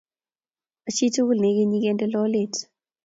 Machitugul ne ikenyi kende lolet